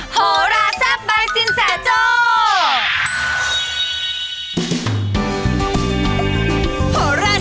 โพลาซับบายสินแสงโจ๊ก